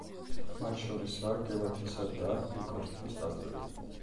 მათ შორისაა გელათისა და იკორთის ტაძრები.